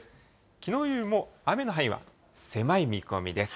きのうよりも雨の範囲は狭い見込みです。